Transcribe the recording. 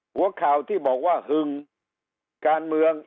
หัวข่าวที่บอกว่าหึงการเมือง